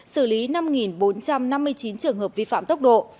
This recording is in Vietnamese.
xử lý năm bốn trăm năm mươi chín trường hợp vi phạm tốc độ